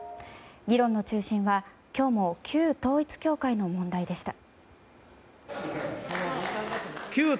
議論の中心は今日も旧統一教会の問題でした。